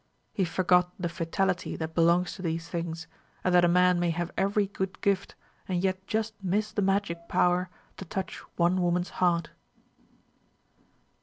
He forgot the fatality that belongs to these things, and that a man may have every good gift, and yet just miss the magic power to touch one woman's heart.